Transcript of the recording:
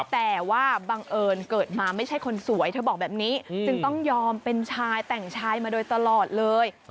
แต่ว่าบังเอิญเกิดมาไม่ใช่คนสวยเธอบอกแบบนี้จึงต้องยอมเป็นชายแต่งชายมาโดยตลอดเลย